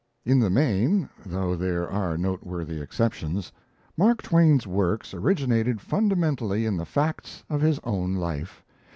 In the main though there are noteworthy exceptions Mark Twain's works originated fundamentally in the facts of his own life.